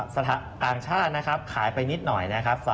สถาบันตร์อ่างชาติขายไปนิดหน่อย